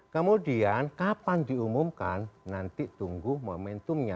kemudian kapan diumumkan nanti tunggu momentumnya